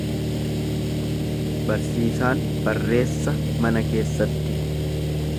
Barsiisaan barreessa mana keessatti.